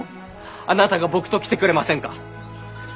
あなたが僕と来てくれませんか？